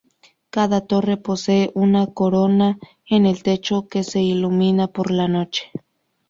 Cada "torre" posee una corona en el techo que se ilumina por la noche.